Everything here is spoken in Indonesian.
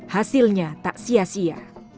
hasilnya tak sia sia